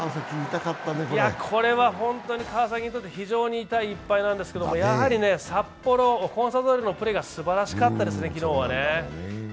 これは本当に川崎にとって非常に痛い１敗なんですが、やはり札幌コンサドレーのプレーがすばらしかったですね、昨日はね